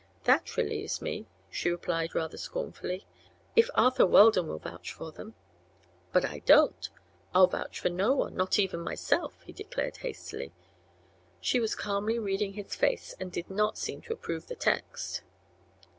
"That relieves me," she replied rather scornfully. "If Arthur Weldon will vouch for them " "But I don't. I'll vouch for no one not even myself," he declared hastily. She was calmly reading his face, and did not seem to approve the text.